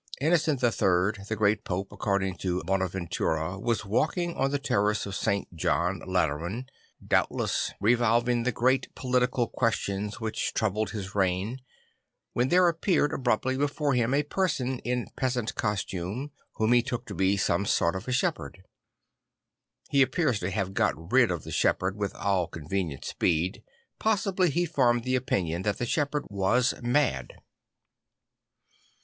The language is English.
Innocent III., the great Pope, according to Bonaventura, was walking on the terrace of St. John Lateran, doubtless revolving the great 'Ihe 'Ihree Orders 12 3 political questions which troubled his reign, when there appeared abruptly before him a person in peasant costume \vhom he took to be some sort of shepherd. He appears to have got rid of the shepherd with all convenient speed; possibly he formed the opinion that the shepherd was mad.